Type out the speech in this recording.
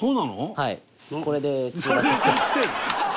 はい。